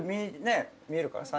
見えるかな？